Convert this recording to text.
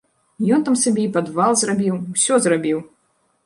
Ён там сабе і падвал зрабіў, усё зрабіў!